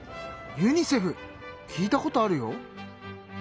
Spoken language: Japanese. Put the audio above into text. ユニセフ聞いたことあるよ！